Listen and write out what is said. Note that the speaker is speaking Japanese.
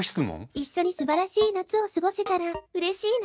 一緒にすばらしい夏を過ごせたらうれしいな。